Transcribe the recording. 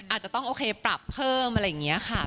อาจจะต้องโอเคปรับเพิ่มอะไรอย่างนี้ค่ะ